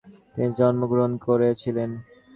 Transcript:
তিনি জন্মগ্রহণ করেছিলেন।